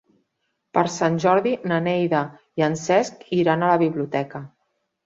Per Sant Jordi na Neida i en Cesc iran a la biblioteca.